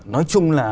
nói chung là